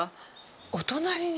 お隣に？